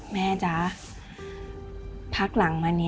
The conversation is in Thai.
แม่จ๋าพักหลังวันนี้